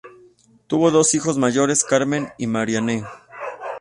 Tuvo dos hijos mayores, Carmen y Marianne.